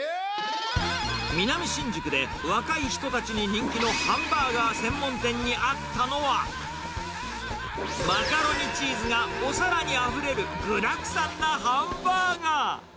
南新宿で若い人たちに人気のハンバーガー専門店にあったのは、マカロニチーズがお皿にあふれる具だくさんなハンバーガー。